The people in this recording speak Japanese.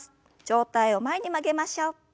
上体を前に曲げましょう。